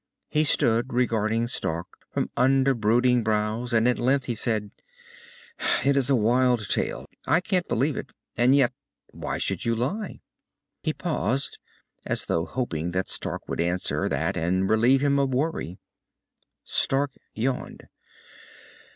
He stood regarding Stark from under brooding brows, and at length he said, "It is a wild tale. I can't believe it and yet, why should you lie?" He paused, as though hoping that Stark would answer that and relieve him of worry. Stark yawned.